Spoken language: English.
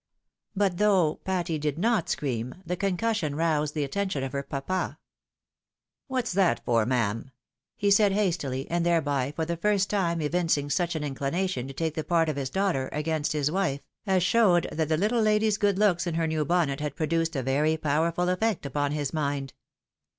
But, though Patty did not scream, the concussion roused the attention of her papa. " What's that for, ma'am? " he said hastily, and thereby for the first time evincing such an inclination to take the part of his daughter, against his wife, as showed that the httle lady's good looks in her new bonnet had produced a very powerful effect upon his mind.